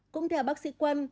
cũng theo bác sĩ quân